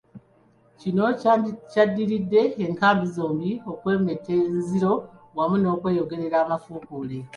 Kino kyaddiridde enkambi zombi okwemetta enziro wamu n'okweyogerera amafuukule.